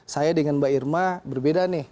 saya dengan mbak irma berbeda nih